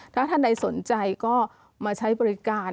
ถ้าท่านใดสนใจก็มาใช้บริการ